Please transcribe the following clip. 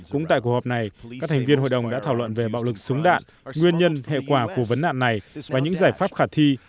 cũng tại cuộc họp này các thành viên hội đồng đã thảo luận về bạo lực súng đạn nguyên nhân hệ quả của vấn đạn này và những giải pháp khả thi